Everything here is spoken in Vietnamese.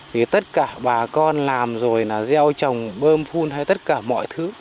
vì tất cả bà con làm rồi là gieo trồng bơm phun hay tất cả mọi thứ